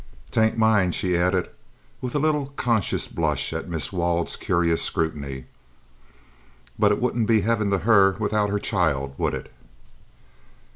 "'Tain't mine," she added with a little conscious blush at Miss Wald's curious scrutiny; "but it wouldn't be heaven to her without her child, would it?"